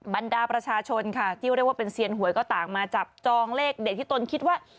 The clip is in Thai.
บรรดาประชาชนค่ะที่เรียกว่าเป็นเซียนหวยก็ต่างมาจับจองเลขเด็ดที่ตนคิดว่า